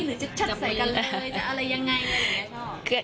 หรือจะชัดใสกันเลยจะอะไรยังไง